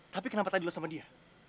tapi kenapa tadi loh sama dia